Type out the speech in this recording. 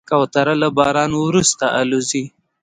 کوتره له باران وروسته الوزي.